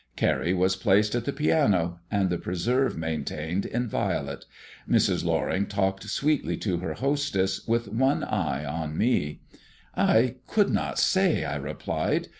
Carrie was placed at the piano, and the preserve maintained inviolate. Mrs. Loring talked sweetly to her hostess, with one eye on me. "I could not say," I replied.